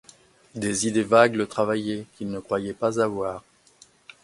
Des idées vagues le travaillaient, qu'il ne croyait pas avoir.